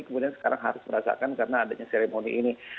kemudian sekarang harus merasakan karena adanya seremoni ini